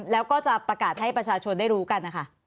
แล้วก็จะประกาศให้ประชาชนได้รู้กันนะคะ